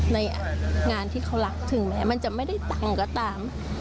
ในงานที่เขารักถึงแม้มันจะไม่ได้ตังค์ก็ตาม